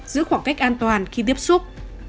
giữ khoảng cách an toàn khi tiếp xúc